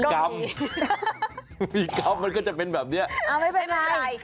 กรรมมีกรรมมันก็จะเป็นแบบนี้ไม่เป็นไร